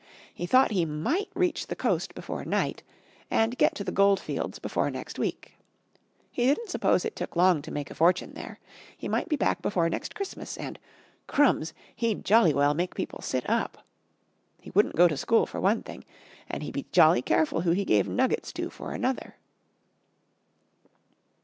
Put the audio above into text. He thought he might reach the coast before night, and get to the goldfields before next week. He didn't suppose it took long to make a fortune there. He might be back before next Christmas and crumbs! he'd jolly well make people sit up. He wouldn't go to school, for one thing, and he'd be jolly careful who he gave nuggets to for another.